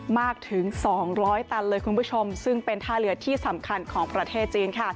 มากถึง๒๐๐ตันเลยคุณผู้ชมซึ่งเป็นท่าเรือที่สำคัญของประเทศจีนค่ะ